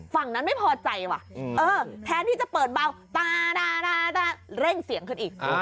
ฝั่งนั้นไม่พอใจว่ะแทนที่จะเปิดเบาตาเร่งเสียงขึ้นอีก